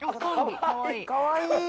かわいい。